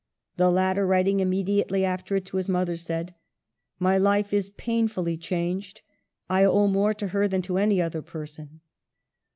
The latter, writing immediately after it to his mother, said :" My life is painfully changed. I owe more to her than to any other person.